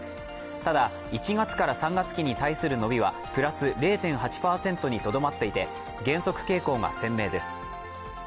ただ、１月から３月期に対する伸びはプラス０．８％にとどまっていて減速傾向が鮮明です。